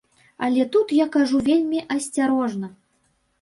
Але тут я кажу вельмі асцярожна.